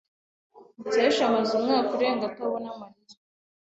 Mukesha amaze umwaka urenga atabona Mariya.